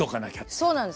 そうなんです。